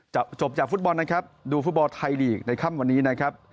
จบจากฟุตบอลนะครับดูฟุตบอลไทยลีกในค่ำวันนี้นะครับ